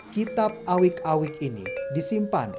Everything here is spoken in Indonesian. kitab awik awik ini disimpan